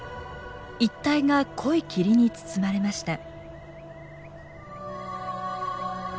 一帯が濃い霧に包まれました。